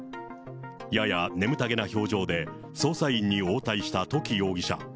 やや眠たげな表情で、捜査員に応対した土岐容疑者。